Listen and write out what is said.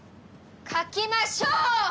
描きましょう！